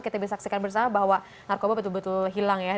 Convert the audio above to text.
kita bisa saksikan bersama bahwa narkoba betul betul hilang ya